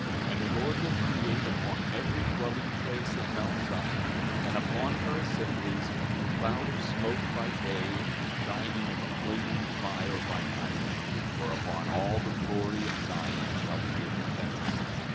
14:5 And the Lord will create upon every dwelling place of mount Zion, and upon her assemblies, a cloud and smoke by day and the shining of a flaming fire by night; for upon all the glory of Zion shall be a defence.